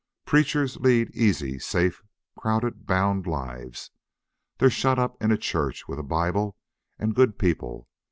Preachers lead easy, safe, crowded, bound lives. They're shut up in a church with a Bible and good people.